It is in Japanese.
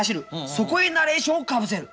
そこへナレーションをかぶせる。